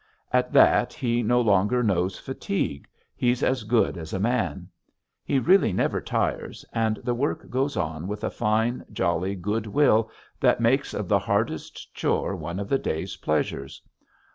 At that he no longer knows fatigue, he's as good as a man. He really never tires and the work goes on with a fine, jolly good will that makes of the hardest chore one of the day's pleasures.